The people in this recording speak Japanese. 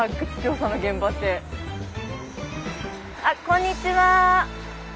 あっこんにちは。